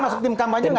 masuk tim kampanye gak